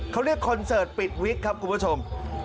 เขาเรียกคอนเสิร์ตปิดวิกครับคุณผู้ชม